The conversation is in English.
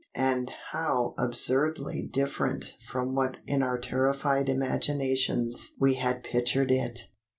And how absurdly different from what in our terrified imaginations we had pictured it!